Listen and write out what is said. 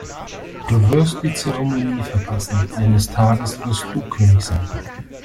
Du wirst die Zeremonie verpassen. Eines Tages wirst du König sein.